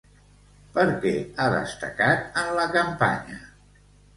Per què ha destacat en la campanya?